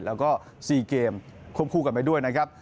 แล้วก็๔เกมควบคู่กันไปด้วยนะครับ